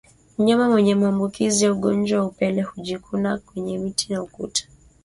Mnyama mwenye maambukizi ya ugonjwa wa upele hujikuna kwenye miti na ukuta